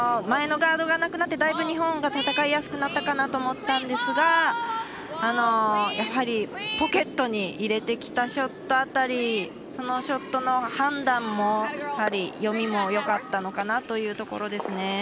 前のガードがなくなってだいぶ日本が戦いやすくなったかなと思ったんですがやはりポケットに入れてきたショット辺りそのショットの判断も読みもよかったのかなというところですね。